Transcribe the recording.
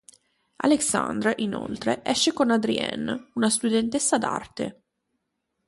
Alexandre, inoltre, esce con Adrienne, una studentessa d'arte.